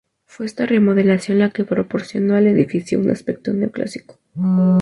Fue esta remodelación la que proporcionó al edificio un aspecto neoclásico.